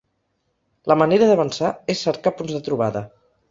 La manera d’avançar és cercar punts de trobada.